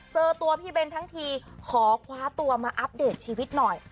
เจอตัวพี่เบนทั้งทีขอคว้าตัวมาอัปเดตชีวิตหน่อย